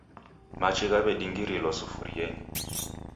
Machi ghaw'edingirilwa sufurienyi.